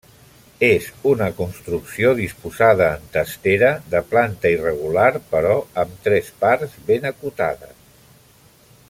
És una construcció disposada en testera de planta irregular però amb tres parts ben acotades.